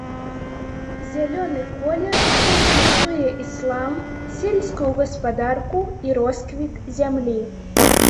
Зялёны колер сімвалізуе іслам, сельскую гаспадарку і росквіт зямлі.